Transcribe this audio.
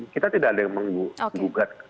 kita tidak ada yang menggugat